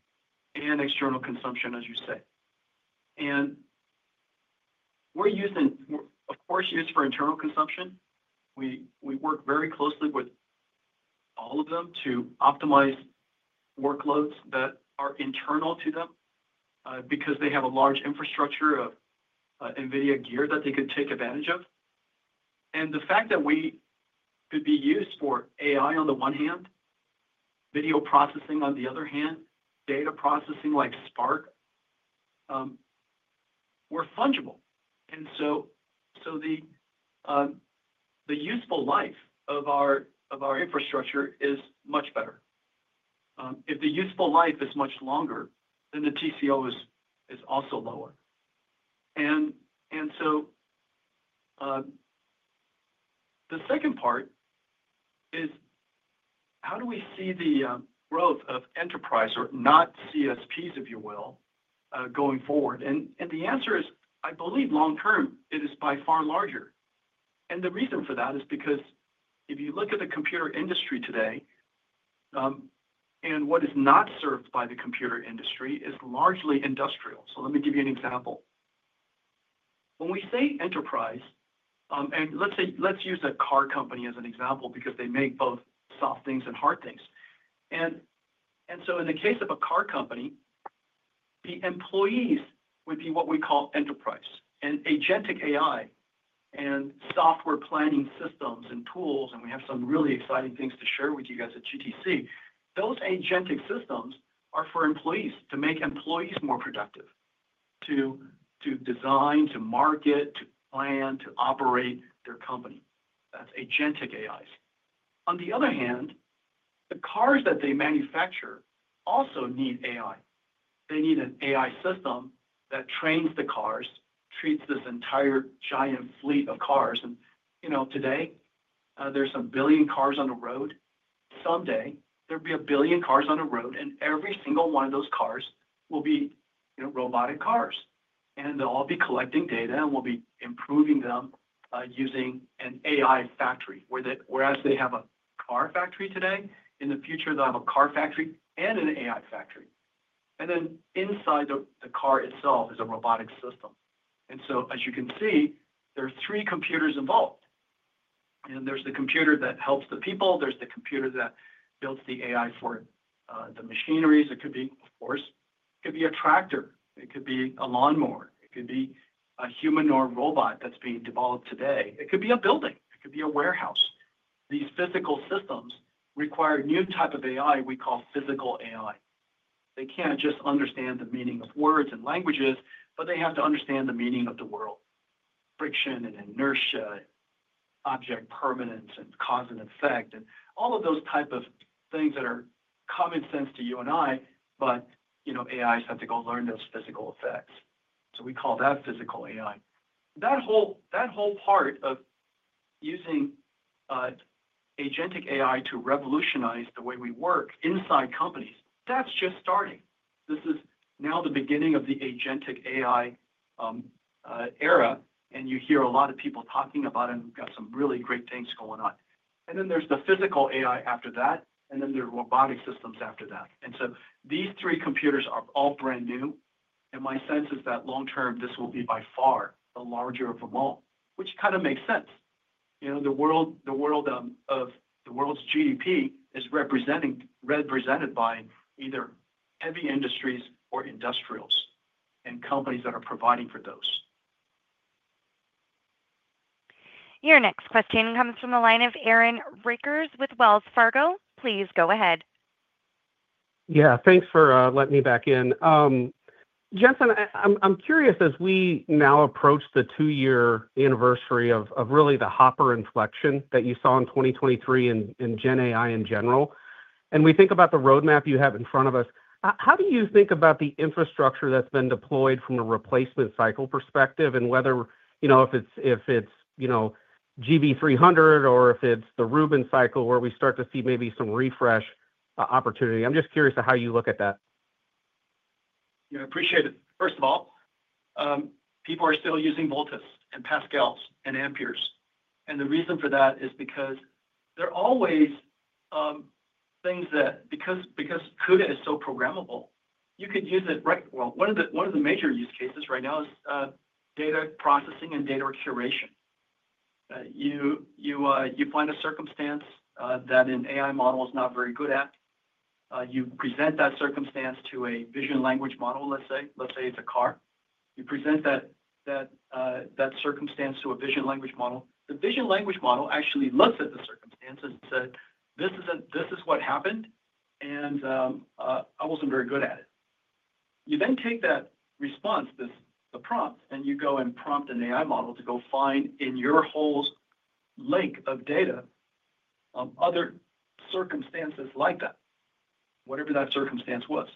and external consumption, as you say. And we're using, of course, used for internal consumption. We work very closely with all of them to optimize workloads that are internal to them because they have a large infrastructure of NVIDIA gear that they could take advantage of. And the fact that we could be used for AI on the one hand, video processing on the other hand, data processing like Spark, we're fungible. And so the useful life of our infrastructure is much better. If the useful life is much longer, then the TCO is also lower. And so the second part is, how do we see the growth of enterprise or not CSPs, if you will, going forward? And the answer is, I believe long-term, it is by far larger. The reason for that is because if you look at the computer industry today, and what is not served by the computer industry is largely industrial. Let me give you an example. When we say enterprise, and let's use a car company as an example because they make both soft things and hard things. In the case of a car company, the employees would be what we call enterprise. Agentic AI and software planning systems and tools, and we have some really exciting things to share with you guys at GTC, those agentic systems are for employees to make employees more productive, to design, to market, to plan, to operate their company. That's agentic AIs. On the other hand, the cars that they manufacture also need AI. They need an AI system that trains the cars, treats this entire giant fleet of cars. Today, there's a billion cars on the road. Someday, there'll be a billion cars on the road, and every single one of those cars will be robotic cars. They'll all be collecting data and will be improving them using an AI factory. Whereas they have a car factory today, in the future, they'll have a car factory and an AI factory. Then inside the car itself is a robotic system. So, as you can see, there are three computers involved. There's the computer that helps the people. There's the computer that builds the AI for the machineries. It could be, of course, it could be a tractor. It could be a lawnmower. It could be a human or a robot that's being developed today. It could be a building. It could be a warehouse. These physical systems require a new type of AI we call physical AI. They can't just understand the meaning of words and languages, but they have to understand the meaning of the world: friction and inertia, object permanence and cause and effect, and all of those types of things that are common sense to you and I, but AIs have to go learn those physical effects. So we call that physical AI. That whole part of using agentic AI to revolutionize the way we work inside companies, that's just starting. This is now the beginning of the agentic AI era. And you hear a lot of people talking about it and got some really great things going on. And then there's the physical AI after that, and then there are robotic systems after that. And so these three computers are all brand new. My sense is that long-term, this will be by far the larger of them all, which kind of makes sense. The world's GDP is represented by either heavy industries or industrials and companies that are providing for those. Your next question comes from the line of Aaron Rakers with Wells Fargo. Please go ahead. Yeah, thanks for letting me back in. Jensen, I'm curious, as we now approach the two-year anniversary of really the Hopper inflection that you saw in 2023 and Gen AI in general, and we think about the roadmap you have in front of us, how do you think about the infrastructure that's been deployed from a replacement cycle perspective and whether if it's GB200 or if it's the Rubin cycle where we start to see maybe some refresh opportunity? I'm just curious to how you look at that. Yeah, I appreciate it. First of all, people are still using Volta, Pascal, and Ampere. The reason for that is because there are always things that, because CUDA is so programmable, you could use it. One of the major use cases right now is data processing and data curation. You find a circumstance that an AI model is not very good at. You present that circumstance to a vision language model, let's say. Let's say it's a car. You present that circumstance to a vision language model. The vision language model actually looks at the circumstance and says, "This is what happened, and I wasn't very good at it." You then take that response, the prompt, and you go and prompt an AI model to go find in your whole data lake other circumstances like that, whatever that circumstance was.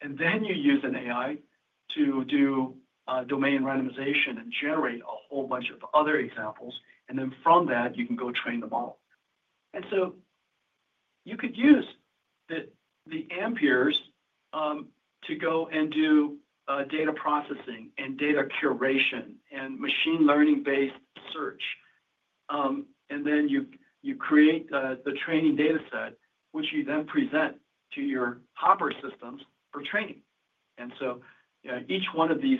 And then you use an AI to do domain randomization and generate a whole bunch of other examples. And then from that, you can go train the model. And so you could use the Ampere to go and do data processing and data curation and machine learning-based search. And then you create the training data set, which you then present to your Hopper systems for training. And so each one of these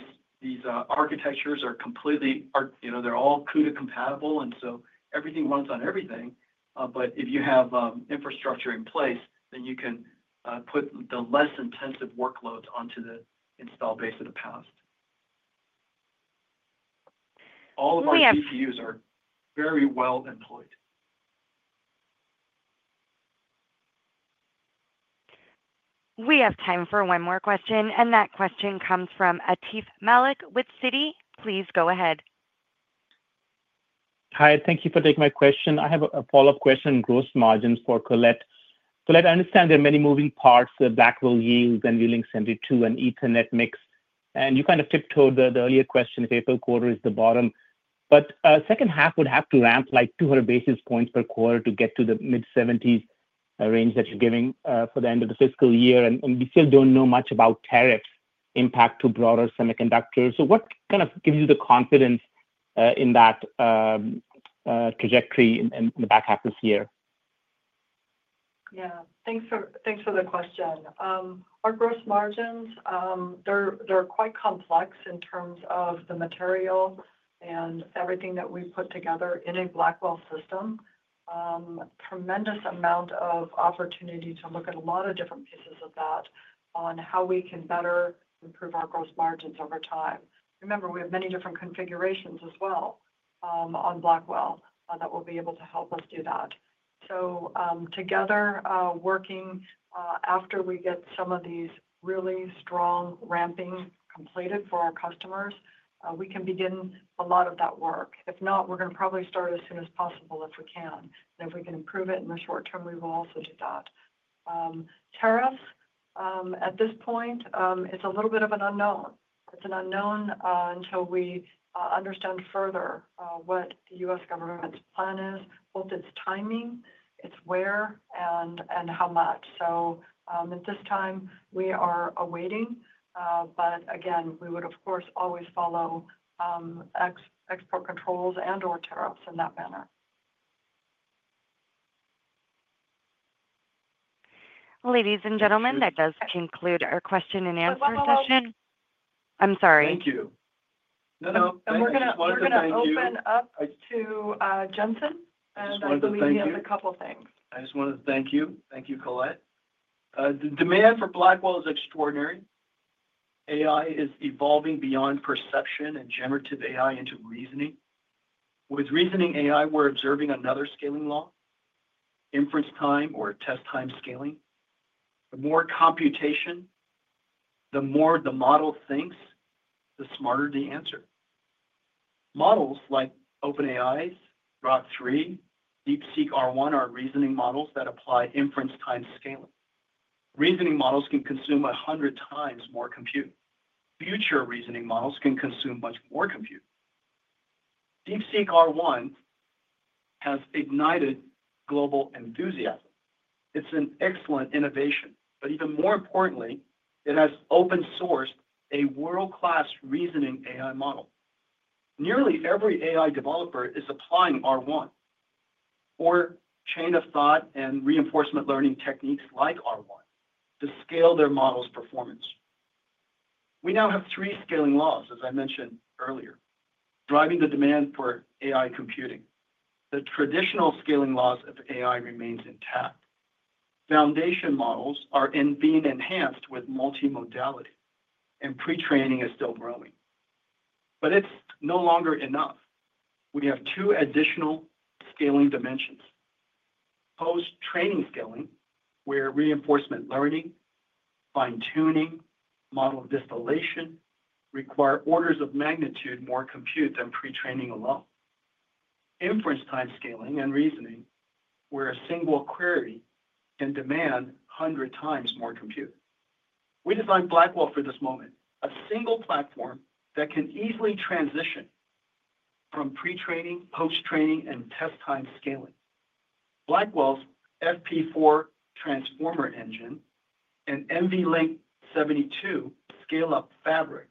architectures are completely, they're all CUDA compatible. And so everything runs on everything. But if you have infrastructure in place, then you can put the less intensive workloads onto the installed base of the past. All of our GPUs are very well employed. We have time for one more question. And that question comes from Atif Malik with Citi. Please go ahead. Hi. Thank you for taking my question. I have a follow-up question on gross margins for Colette. Colette, I understand there are many moving parts: Blackwell yields and NVL 72 and Ethernet mix. And you kind of tiptoed around the earlier question. April quarter is the bottom. But the second half would have to ramp like 200 basis points per quarter to get to the mid-70s range that you're giving for the end of the fiscal year. And we still don't know much about tariffs' impact to broader semiconductors. So what kind of gives you the confidence in that trajectory in the back half this year? Yeah. Thanks for the question. Our gross margins, they're quite complex in terms of the material and everything that we put together in a Blackwell system. Tremendous amount of opportunity to look at a lot of different pieces of that on how we can better improve our gross margins over time. Remember, we have many different configurations as well on Blackwell that will be able to help us do that. So together, working after we get some of these really strong ramping completed for our customers, we can begin a lot of that work. If not, we're going to probably start as soon as possible if we can. And if we can improve it in the short term, we will also do that. Tariffs, at this point, it's a little bit of an unknown. It's an unknown until we understand further what the U.S. government's plan is, both its timing, its where, and how much. So at this time, we are awaiting. But again, we would, of course, always follow export controls and/or tariffs in that manner. Ladies and gentlemen, that does conclude our question and answer session. I'm sorry. Thank you. No, no. I just wanted to thank you. I just wanted to open up to Jensen. I just wanted to thank you. Thank you, Colette. The demand for Blackwell is extraordinary. AI is evolving beyond perception and generative AI into reasoning. With reasoning AI, we're observing another scaling law: inference time or test time scaling. The more computation, the more the model thinks, the smarter the answer. Models like OpenAI's, Grok 3, DeepSeek R1 are reasoning models that apply inference time scaling. Reasoning models can consume 100 times more compute. Future reasoning models can consume much more compute. DeepSeek R1 has ignited global enthusiasm. It's an excellent innovation. But even more importantly, it has open-sourced a world-class reasoning AI model. Nearly every AI developer is applying R1 or chain of thought and reinforcement learning techniques like R1 to scale their model's performance. We now have three scaling laws, as I mentioned earlier, driving the demand for AI computing. The traditional scaling laws of AI remain intact. Foundation models are being enhanced with multimodality, and pre-training is still growing. But it's no longer enough. We have two additional scaling dimensions: post-training scaling, where reinforcement learning, fine-tuning, model distillation require orders of magnitude more compute than pre-training alone. Inference time scaling and reasoning, where a single query can demand 100 times more compute. We designed Blackwell for this moment, a single platform that can easily transition from pre-training, post-training, and test time scaling. Blackwell's FP4 Transformer Engine and NVLin72 scale-up fabric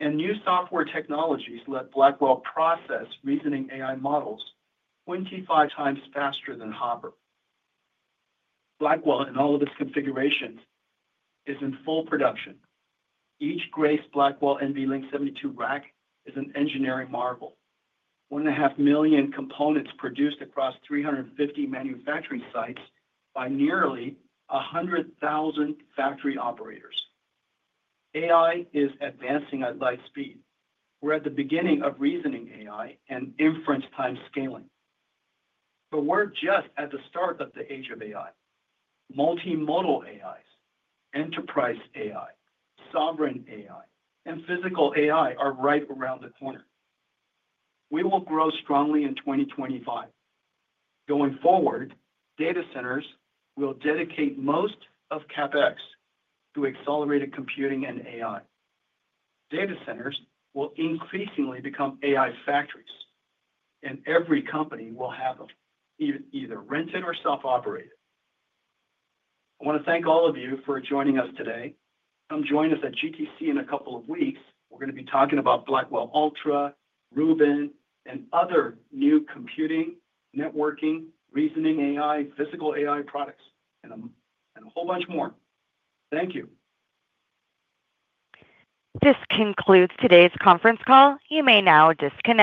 and new software technologies let Blackwell process reasoning AI models 25 times faster than Hopper. Blackwell in all of its configurations is in full production. Each Grace Blackwell NVLink 72 rack is an engineering marvel. 1.5 million components produced across 350 manufacturing sites by nearly 100,000 factory operators. AI is advancing at light speed. We're at the beginning of reasoning AI and inference time scaling. But we're just at the start of the age of AI. Multimodal AIs, enterprise AI, sovereign AI, and physical AI are right around the corner. We will grow strongly in 2025. Going forward, data centers will dedicate most of CapEx to accelerated computing and AI. Data centers will increasingly become AI factories, and every company will have them either rented or self-operated. I want to thank all of you for joining us today. Come join us at GTC in a couple of weeks. We're going to be talking about Blackwell Ultra, Rubin, and other new computing, networking, reasoning AI, physical AI products, and a whole bunch more. Thank you. This concludes today's conference call. You may now disconnect.